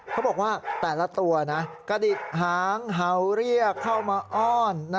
เขาบอกว่าแต่ละตัวนะกระดิกหางเห่าเรียกเข้ามาอ้อน